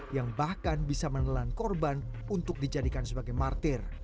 yang bahkan bisa menelan korban untuk dijadikan sebagai martir